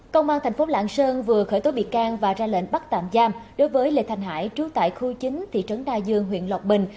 công an thành phố lạng sơn vừa khởi tố bị can và ra lệnh bắt tạm giam đối với lê thanh hải trú tại khu chín thị trấn đa dương huyện lộc bình